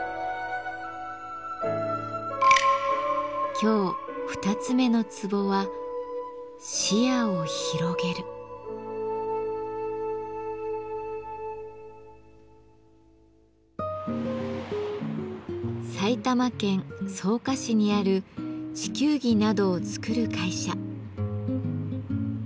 今日二つ目のツボは埼玉県草加市にある地球儀などを作る会社。